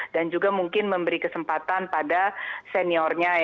dan juga mungkin memberi kesempatan pada seniornya